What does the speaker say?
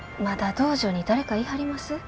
まだ道場に誰かいはります？